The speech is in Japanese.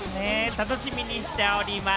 楽しみにしております。